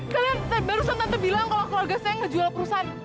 kalian barusan tante bilang kalau keluarga saya ngejual perusahaan